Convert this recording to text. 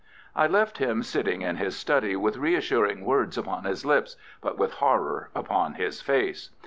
I left him sitting in his study with reassuring words upon his lips, but with horror upon his face.